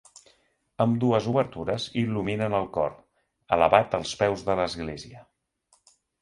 Ambdues obertures il·luminen el cor, elevat als peus de l'església.